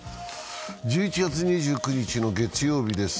１１月２９日の月曜日です。